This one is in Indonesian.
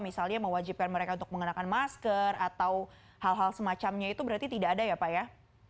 misalnya mewajibkan mereka untuk mengenakan masker atau hal hal semacamnya itu berarti tidak ada ya pak ya